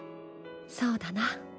そうだな。